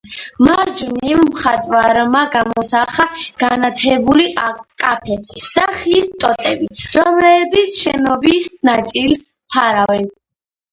მარჯვნივ მხატვარმა გამოსახა განათებული კაფე და ხის ტოტები, რომლებიც შენობის ნაწილს ფარავენ.